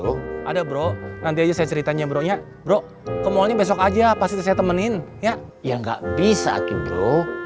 hari ini saya bener bener gak bisa bro